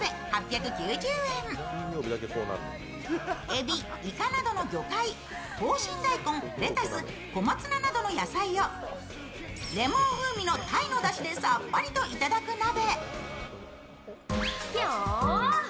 えび、イカなどの魚介、紅芯大根、レタス、小松菜などの野菜やレモン風味の鯛のだしでさっぱりといただく鍋。